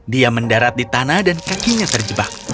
dia mendarat di tanah dan kakinya terjebak